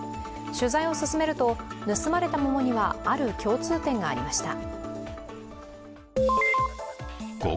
取材を進めると、盗まれた桃にはある共通点がありました。